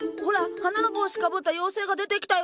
花の帽子かぶった妖精が出てきたよ！